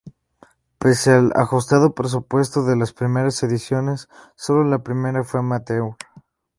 Pese al ajustado presupuesto de las primeras ediciones solo la primera fue amateur.